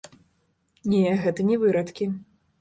Не, гэта не вырадкі.